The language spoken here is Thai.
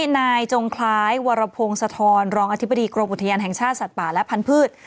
นายจงคล้ายวรพงศธรรองอธิบดีกรมอุทยานแห่งชาติสัตว์ป่าและพันธุ์